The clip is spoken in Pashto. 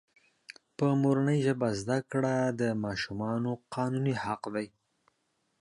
په مورنۍ ژبه زده کړه دماشومانو قانوني حق دی.